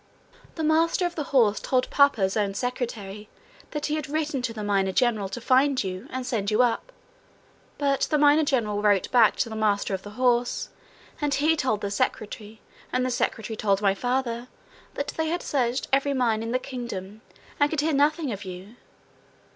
'The master of the horse told papa's own secretary that he had written to the miner general to find you and send you up; but the miner general wrote back to the master of the horse, and he told the secretary, and the secretary told my father, that they had searched every mine in the kingdom and could hear nothing of you.